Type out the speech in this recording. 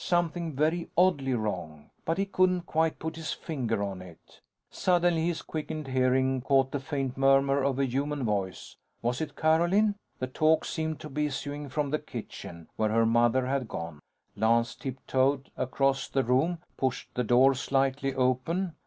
Something very oddly wrong. But he couldn't quite put his finger on it. Suddenly, his quickened hearing caught the faint murmur of a human voice. Was it Carolyn? The talk seemed to be issuing from the kitchen where her mother had gone. Lance tiptoed across the room, pushed the door slightly open.